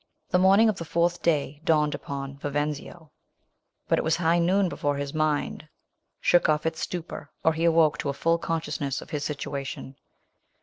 The morning of the fourth day dawned upon Viven/io. But it was high noon before his mind shook off Tie Iron Shrowl. its stupor, or he awoke to a full consciousness of Tils situation.